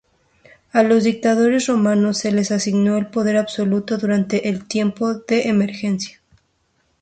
A los dictadores romanos se les asignó el poder absoluto durante tiempos de emergencia.